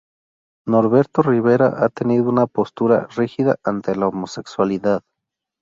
Norberto Rivera ha tenido una postura rígida ante la homosexualidad.